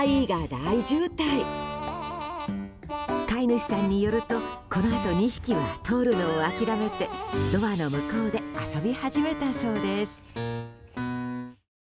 飼い主さんによるとこのあと２匹は通るのを諦めてドアの向こうで遊び始めたそうです。